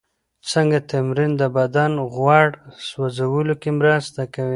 څنګه تمرین د بدن غوړ سوځولو کې مرسته کوي؟